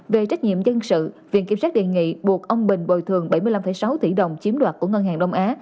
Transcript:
về trách nhiệm dân sự viện kiểm sát đề nghị buộc ông bình bồi thường bảy mươi năm sáu tỷ đồng chiếm đoạt của ngân hàng đông á